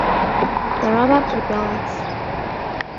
The robot rebels.